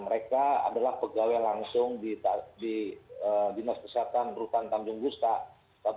mereka adalah pegawai langsung di dinas kesehatan rutan tanjung gusta